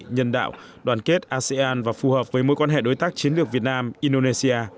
nhân đạo đoàn kết asean và phù hợp với mối quan hệ đối tác chiến lược việt nam indonesia